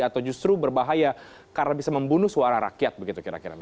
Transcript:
atau justru berbahaya karena bisa membunuh suara rakyat begitu kira kira